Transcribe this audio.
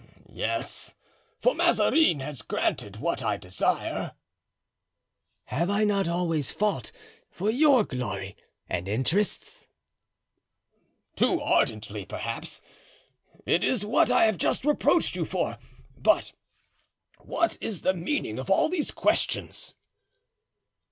"Yes, for Mazarin has granted what I desire." "Have I not always fought for your glory and interests?" "Too ardently, perhaps; it is what I have just reproached you for. But what is the meaning of all these questions?"